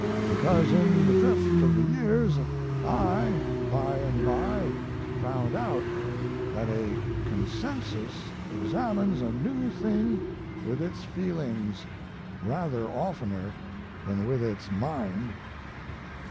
Because in the drift of the years I by and by found out that a Consensus examines a new thing with its feelings rather oftener than with its mind.